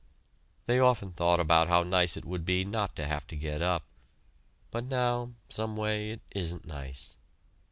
They often thought about how nice it would be not to have to get up; but now, someway it isn't nice.